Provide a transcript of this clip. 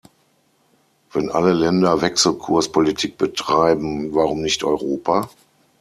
Wenn alle Länder Wechselkurspolitik betreiben, warum nicht Europa?